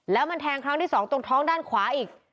แล้วมันแทงครั้งที่สองตรงท้องด้านขวาอีก